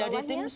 menjadi tim ses